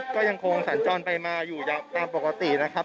ก็ยังคงสัญจรไปมาอยู่ตามปกตินะครับ